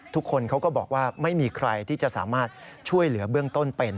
ทุกคนเขาก็บอกว่าไม่มีใครที่จะสามารถช่วยเหลือเบื้องต้นเป็น